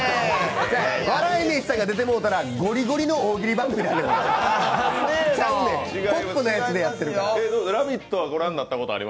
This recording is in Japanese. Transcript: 笑い飯さんが出てもうたらゴリゴリの大喜利番組になる。